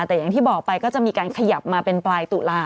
แต่อย่างที่บอกไปก็จะมีการขยับมาเป็นปลายตุลา